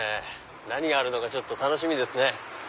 何があるのかちょっと楽しみですね。